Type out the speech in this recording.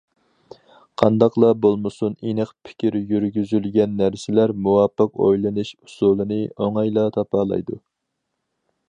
قانداقلا بولمىسۇن، ئېنىق پىكىر يۈرگۈزۈلگەن نەرسىلەر مۇۋاپىق ئويلىنىش ئۇسۇلىنى ئوڭايلا تاپالايدۇ.